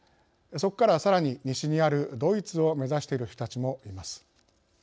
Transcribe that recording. そこからさらに西にあるドイツを目指している人たちもいます。